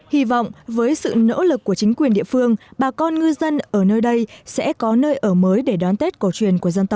hy vọng với sự nỗ lực của chính quyền địa phương bà con ngư dân ở nơi đây sẽ có nơi ở mới để đón tết cổ truyền